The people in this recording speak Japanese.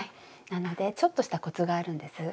なのでちょっとしたコツがあるんです。